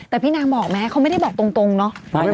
แต่พี่นางบอกไหมเขาไม่ได้บอกตรงเนาะ